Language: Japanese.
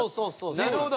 なるほど。